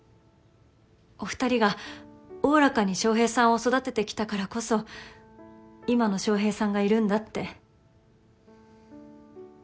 お二人がおおらかに翔平さんを育ててきたからこそ今の翔平さんがいるんだって。